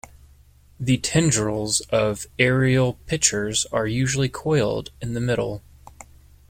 The tendrils of aerial pitchers are usually coiled in the middle.